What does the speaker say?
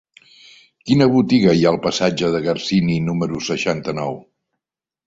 Quina botiga hi ha al passatge de Garcini número seixanta-nou?